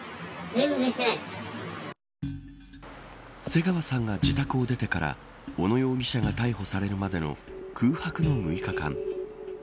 瀬川さんが自宅を出てから小野容疑者が逮捕されるまでの空白の６日間。